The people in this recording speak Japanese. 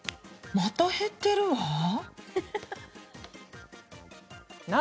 また減ってるわ。